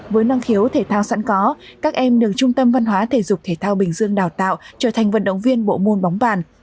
với năng khiếu thể thao sẵn có các em được trung tâm văn hóa thể dục thể thao bình dương đào tạo trở thành vận động viên bộ môn bóng bàn